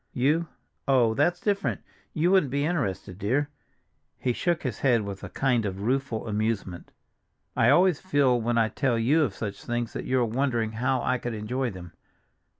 "You—oh, that's different; you wouldn't be interested, dear." He shook his head with a kind of rueful amusement. "I always feel when I tell you of such things that you are wondering how I could enjoy them.